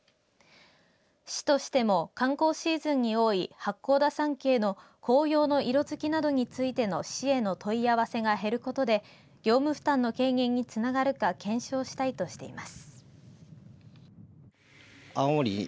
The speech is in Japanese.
市としても観光シーズンに多い八甲田山系の紅葉の色づきなどについての市への問い合わせが減ることで業務負担の軽減につながるか検証したいとしています。